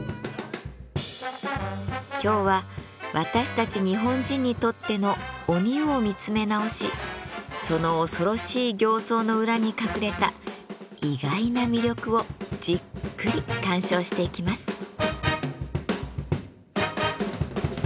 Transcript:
今日は私たち日本人にとっての鬼を見つめ直しその恐ろしい形相の裏に隠れた意外な魅力をじっくり鑑賞していきます。